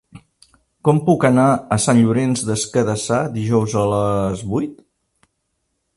Com puc anar a Sant Llorenç des Cardassar dijous a les vuit?